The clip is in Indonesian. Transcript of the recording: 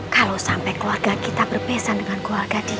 kalau sampai keluarga kita berpesan dengan keluarga kita